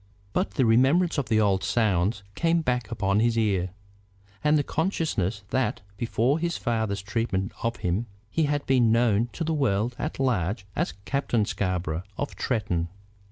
But the remembrance of the old sounds came back upon his ear; and the consciousness that, before his father's treatment of him, he had been known to the world at large as Captain Scarborough, of Tretton.